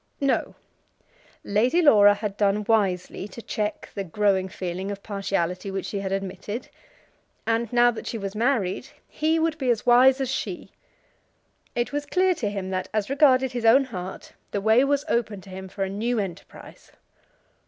No; Lady Laura had done wisely to check the growing feeling of partiality which she had admitted; and now that she was married, he would be as wise as she. It was clear to him that, as regarded his own heart, the way was open to him for a new enterprise.